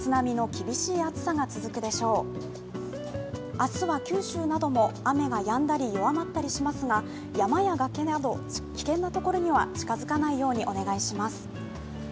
明日は九州なども雨がやんだり弱まったりしますが山や崖など危険なところには近づかないようにお願いします。